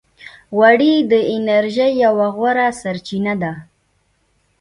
غوړې د انرژۍ یوه غوره سرچینه ده.